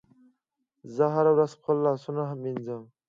زه هره ورځ خپل لاسونه مینځم.